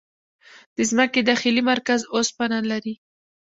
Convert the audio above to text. د ځمکې داخلي مرکز اوسپنه لري.